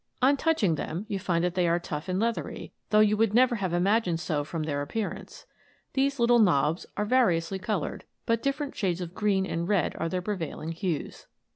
On touching them you find that they are tough and leathery, though you would never have imagined so from their appearance. These little knobs are variously coloured, but diffe rent shades of green and red are their prevailing hues.